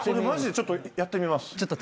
マジでちょっとやってみます。